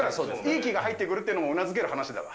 いい気が入ってくるというのもうなずける話だわ。